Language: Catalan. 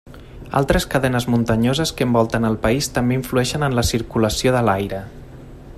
Altres cadenes muntanyoses que envolten el país també influeixen en la circulació de l'aire.